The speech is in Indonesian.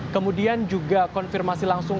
kemudian juga konfirmasi langsung